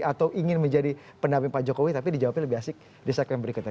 atau ingin menjadi pendamping pak jokowi tapi dijawabnya lebih asik di segmen berikutnya